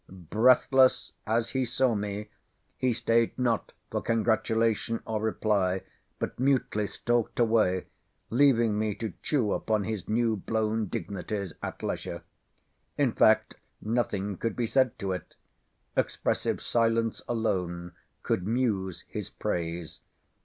"—Breathless as he saw me, he stayed not for congratulation or reply, but mutely stalked away, leaving me to chew upon his new blown dignities at leisure. In fact, nothing could be said to it. Expressive silence alone could muse his praise.